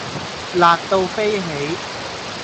辣到飛起